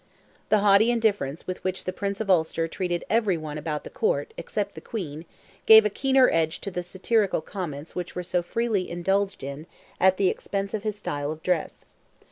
The haughty indifference with which the Prince of Ulster treated every one about the Court, except the Queen, gave a keener edge to the satirical comments which were so freely indulged in at the expense of his style of dress.